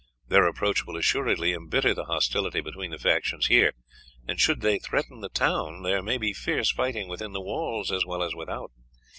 Their approach will assuredly embitter the hostility between the factions here, and should they threaten the town there may be fierce fighting within the walls as well as without.